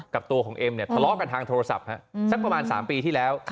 กับตัวของเอ็มเนี่ยทะเลาะกันทางโทรศัพท์สักประมาณ๓ปีที่แล้ว